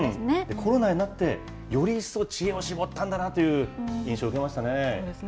コロナになって、より一層、知恵を絞ったんだなという印象を受けましたね。